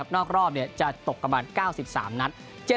นอกรอบจะตกประมาณ๙๓นัด